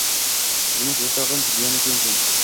Turmush o`rtog`im diyonatli inson